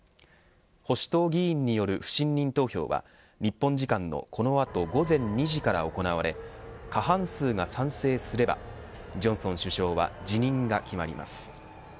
保守党議員による不信任投票は日本時間のこの後、午前２時から行われ過半数が賛成すればジョンソン首相は辞任が決まります。